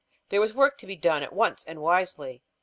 There was work to be done at once and wisely.